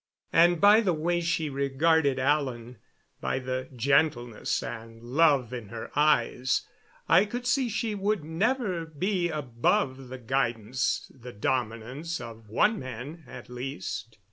And by the way she regarded Alan, by the gentleness and love in her eyes, I could see she would never be above the guidance, the dominance, of one man, at least.